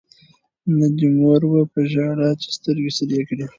نه دي مور وه په ژړا چي سترګي سرې کړي